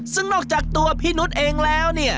ซึ่งนอกจากตัวพี่นุษย์เองแล้วเนี่ย